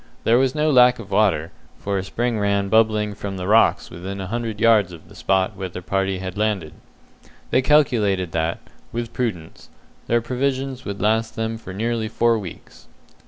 There was no lack of water, for a spring ran bubbling from the rocks within a hundred yards of the spot where the party had landed. They calculated that, with prudence, their provisions would last them for nearly four weeks.